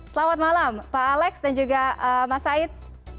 selamat malam pak alex dan juga mas said